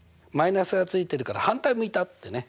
−がついてるから反対向いたってね。